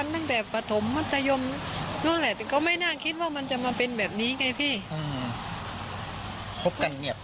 ตั้งแต่ปฐมประมาณกี่ปีได้๒๐ปีได้ไหมครับ